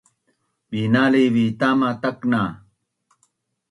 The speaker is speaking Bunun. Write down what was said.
binaliv it tama tak’na